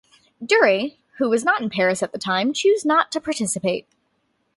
Durey, who was not in Paris at the time, chose not to participate.